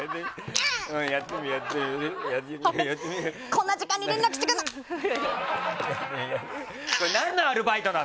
こんな時間に連絡してくるな！